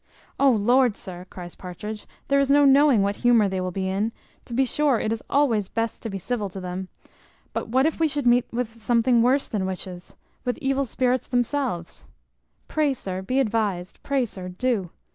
"O Lord, sir," cries Partridge, "there is no knowing what humour they will be in; to be sure it is always best to be civil to them; but what if we should meet with something worse than witches, with evil spirits themselves? Pray, sir, be advised; pray, sir, do.